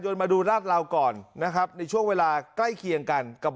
มาดูราดเหลาก่อนนะครับในช่วงเวลาใกล้เคียงกันกับ